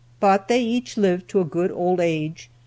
But they each lived to a good old age.